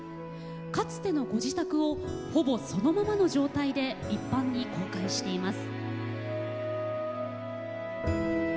かつてのご自宅をほぼそのままの状態で一般に公開しています。